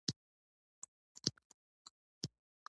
د جماعت جوړولو لپاره په سلو وگرځېدم. چا کومه مرسته راسره ونه کړه.